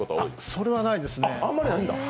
それはないですね。